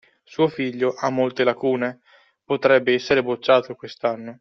Suo figlio ha molte lacune, potrebbe essere bocciato quest'anno.